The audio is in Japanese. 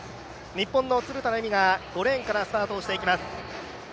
日本の鶴田玲美が５レーンから出場していきます。